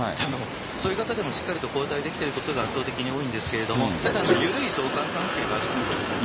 そういう方でもしっかりと、抗体出来ていることが圧倒的に多いんですけれども、ただ、緩い相関関係があるということですね。